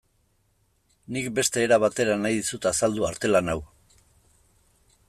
Nik beste era batera nahi dizut azaldu artelan hau.